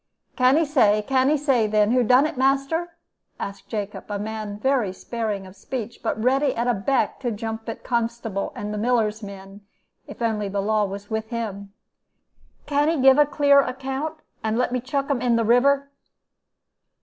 "'Can 'e say, can 'e say then, who done it, master?' asked Jacob, a man very sparing of speech, but ready at a beck to jump at constable and miller's men, if only law was with him. 'Can 'e give a clear account, and let me chuck 'un in the river?'